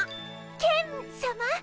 ケンさま？